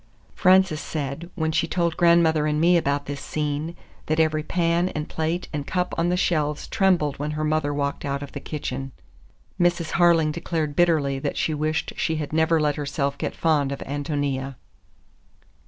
Frances said, when she told grandmother and me about this scene, that every pan and plate and cup on the shelves trembled when her mother walked out of the kitchen. Mrs. Harling declared bitterly that she wished she had never let herself get fond of Ántonia.